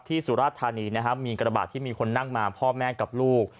สุราชธานีนะครับมีกระบาดที่มีคนนั่งมาพ่อแม่กับลูก